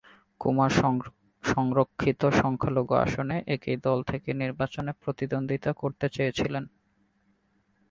কুমার সংরক্ষিত সংখ্যালঘু আসনে একই দল থেকে নির্বাচনে প্রতিদ্বন্দ্বিতা করতে চেয়েছিলেন।